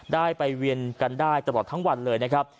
ได้ไปเวียนกันได้ตลอดทั้งวันเลยนะครับ